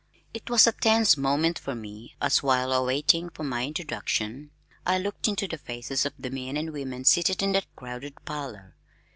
It was a tense moment for me as (while awaiting my introduction) I looked into the faces of the men and women seated in that crowded parlor.